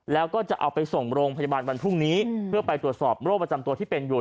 แล้วก็จะเอาไปส่งโรงพยาบาลวันพรุ่งนี้เพื่อไปตรวจสอบโรคประจำตัวที่เป็นอยู่